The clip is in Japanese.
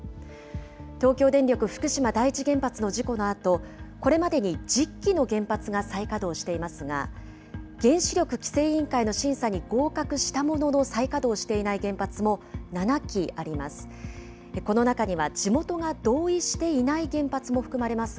東京電力福島第一原発の事故のあと、これまでに１０基の原発が再稼働していますが、原子力規制委員会の審査にごうかくしたもののさいかどうしていない原発も７基あります。